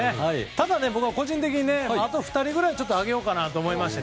ただ、僕は個人的にあと２人ぐらい挙げようかなと思いまして。